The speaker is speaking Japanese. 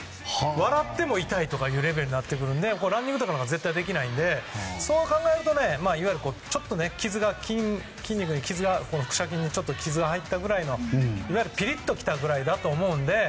笑っても痛いというレベルになってくるのでランニングとか絶対できないのでそう考えるといわゆるちょっと腹斜筋に傷がちょっと入ったぐらいのいわゆるピリッときたぐらいだと思うので。